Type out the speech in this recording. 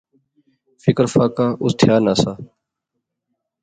فکر فاقہ اس تھیا نہسا